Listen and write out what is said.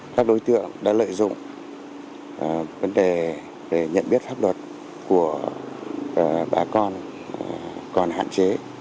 các đối tượng đã lợi dụng vấn đề nhận biết pháp luật của bà con còn hạn chế